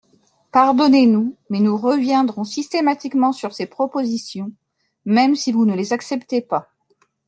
Pardonnez-nous, mais nous reviendrons systématiquement sur ces propositions, même si vous ne les acceptez pas.